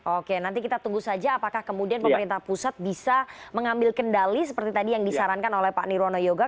oke nanti kita tunggu saja apakah kemudian pemerintah pusat bisa mengambil kendali seperti tadi yang disarankan oleh pak nirwono yoga